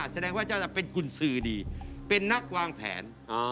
แสดงว่าจะเป็นคุณซืดีเป็นนักวางแผน